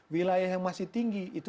wilayah yang masih tinggi